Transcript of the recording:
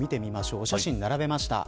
お写真並べました。